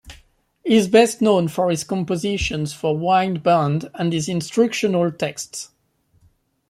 He is best known for his compositions for wind band and his instructional texts.